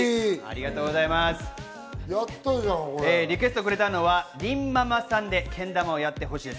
リクエストくれたのはりんままさんで、けん玉をやってほしいです。